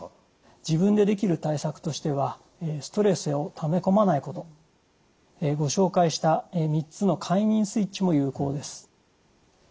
自分でできる対策としてはストレスをため込まないことご紹介した３つの快眠スイッチも有効です。